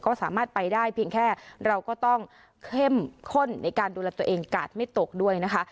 ก็สามารถไปได้เพียงแค่เราก็ต้องเข้มข้นในการดูแลตัวเองกาดไม่ตกด้วยนะคะ